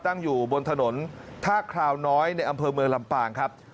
ตั้งอยู่บนถนนท่าคราวน้อยในอำเภอเมืองลำปางครับ